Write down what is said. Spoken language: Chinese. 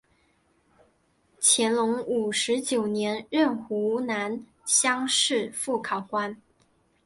乾隆五十九年任湖南乡试副考官。